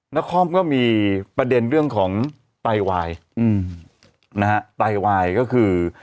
นครก็มีประเด็นเรื่องของไตวายนะฮะไตวายก็คือ